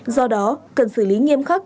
do đó cần xử lý nghiêm khắc